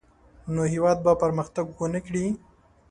نو هېواد به پرمختګ ونه کړي.